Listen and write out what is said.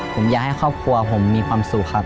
ผมอยากให้ครอบครัวผมมีความสุขครับ